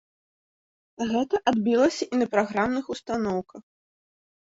Гэта адбілася і на праграмных устаноўках.